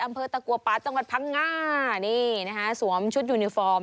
ตะกัวป่าจังหวัดพังง่านี่นะคะสวมชุดยูนิฟอร์ม